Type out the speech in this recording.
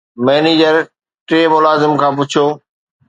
manager ٽئين ملازم کان پڇيو